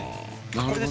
これです。